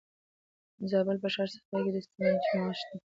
د زابل په شهر صفا کې د سمنټو مواد شته.